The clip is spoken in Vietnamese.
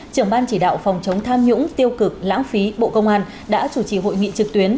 trưởng ban chỉ đạo phòng chống tham nhũng tiêu cực lãng phí bộ công an đã chủ trì hội nghị trực tuyến